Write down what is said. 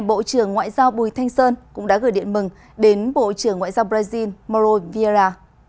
bộ trưởng ngoại giao bùi thanh sơn cũng đã gửi điện mừng đến bộ trưởng ngoại giao brazil mauro vieira